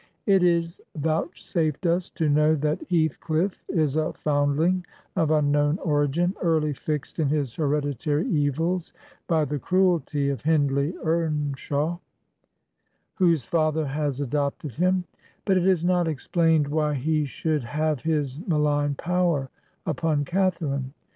It is vouchsafed us to know that Heath clifif is a foundling of unknown origin, early fixed in his hereditary evils by the cruelty of Hindley Eamshaw, whose father has adopted him ; but it is not explained why he should have his malign power upon Catharine.